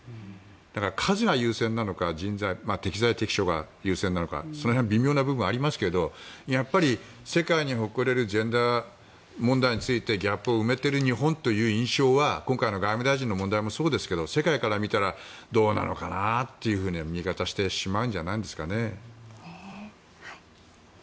だから数が優先なのか適材適所が優先なのかその辺は微妙な部分がありますがやっぱり世界に誇れるジェンダー問題についてギャップを埋めている日本という印象は今回の外務大臣の問題もそうですけど世界から見たらどうなのかなというふうな見え方をしてしまうんじゃないですかね。